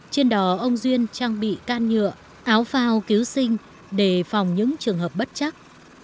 trên đó ông duyên trang bị can nhựa áo phao cứu sinh để phòng những trường hợp bất chắc